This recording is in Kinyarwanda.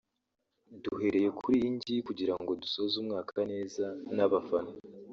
Duhereye kuri iyi ng’iyi kugirango dusoze umwaka neza n’abafana